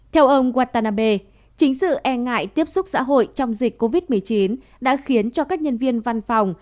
theo ông watanabe chính sự e ngại tiếp xúc xã hội trong dịch covid một mươi chín đã khiến cho các nhân viên văn phòng